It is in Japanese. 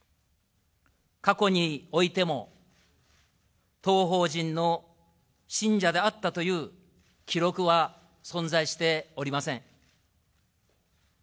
過去においても、当法人の信者であったという記録は存在しておりません。